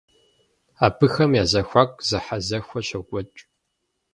Абыхэм я зэхуаку зэхьэзэхуэ щокӏуэкӏ.